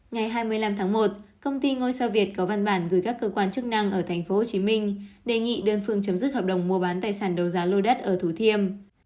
ngày hai mươi năm tháng một công ty ngôi sao việt có văn bản gửi các cơ quan chức năng ở tp hcm đề nghị đơn phương chấm dứt hợp đồng mua bán tài sản đấu giá lô đất ở thủ thiêm